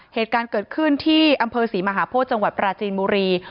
เหตุการณ์เกิดขึ้นที่อำเภอศรีมหาโพธิจังหวัดปราจีนบุรี